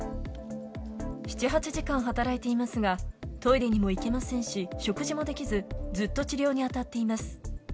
７、８時間働いていますが、トイレにも行けませんし、食事もできず、ずっと治療に当たっています。